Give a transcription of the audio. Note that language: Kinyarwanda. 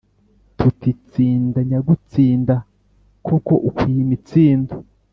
tuti :tsinda nyagutsinda, koko ukwiye imitsindo»,